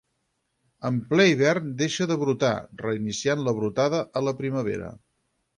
En ple hivern deixa de brotar, reiniciant la brotada a la primavera.